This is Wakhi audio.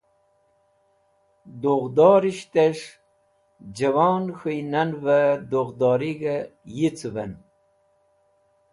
Dughdorishtes̃h jẽwon k̃hũynanvẽ dughdorig̃h yicuvẽn.